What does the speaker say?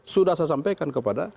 sudah saya sampaikan kepada